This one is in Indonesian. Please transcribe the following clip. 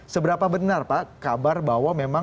seberapa benar pak kabar bahwa memang